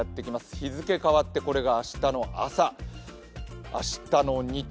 日付変わってこれが明日の朝、明日の日中。